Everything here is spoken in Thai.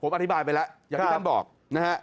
ผมอธิบายไปแล้วอย่างที่ท่านบอกนะฮะ